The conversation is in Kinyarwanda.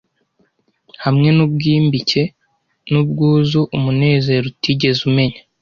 Hamwe n'ubwimbike n'ubwuzu umunezero utigeze umenya;